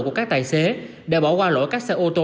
của các tài xế đã bỏ qua lỗi các xe ô tô